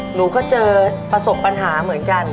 หนูก็เจอประสบปัญหาเหมือนกัน